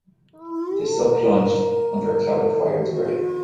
The sub plunged, under a cloud of fire and spray.